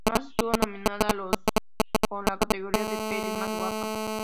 Además estuvo nominada a los con la categoría de Peli más guapa.